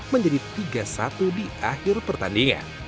menjadi tiga satu di akhir pertandingan